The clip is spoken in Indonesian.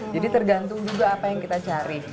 jadi tergantung juga apa yang kita cari